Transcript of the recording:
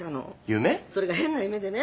それが変な夢でね。